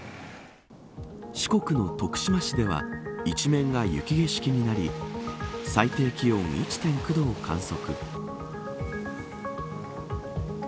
四国の徳島市では一面が雪景色になり最低気温１．９度を観測。